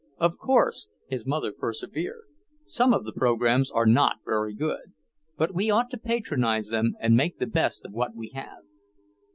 "Of course," his mother persevered, "some of the programs are not very good, but we ought to patronize them and make the best of what we have."